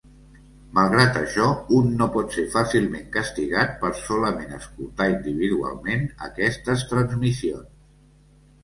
Malgrat això, un no pot ser fàcilment castigat per solament escoltar individualment aquestes transmissions.